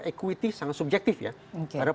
equity sangat subjektif ya terhadap